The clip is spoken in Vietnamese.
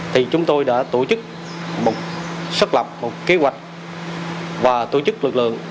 thì chúng tôi đã tổ chức một kế hoạch và tổ chức lực lượng